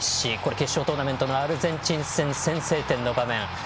決勝トーナメントのアルゼンチン戦先制点の場面。